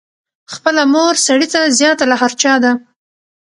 خپله مور سړي ته زیاته له هر چا ده.